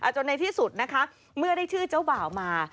จนในที่สุดนะคะเมื่อได้ชื่อเจ้าบ่าวมา